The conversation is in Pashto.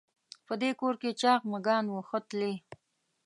په دې کور کې چاغ مږان وو ښه تلي.